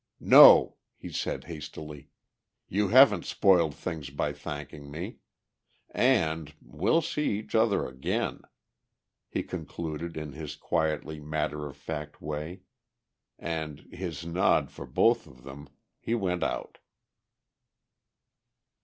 "No," he said hastily. "You haven't spoiled things by thanking me. And.... We'll see each other again," he concluded in his quietly matter of fact way. And, his nod for both of them, he went out.